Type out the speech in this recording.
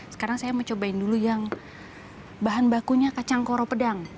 sekarang saya mau cobain dulu yang bahan bakunya kacang koro pedang